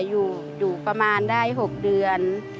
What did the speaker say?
อยู่ค่ะอยู่ประมาณได้๖เดือน